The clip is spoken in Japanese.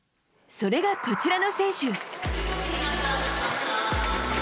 それがこちらの選手。